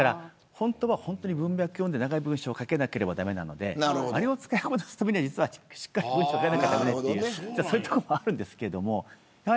本当は文脈を読んで長い文章が書けなければ駄目なのであれを使いこなすためには実はしっかり文章を入れなきゃ駄目というところもあるんです。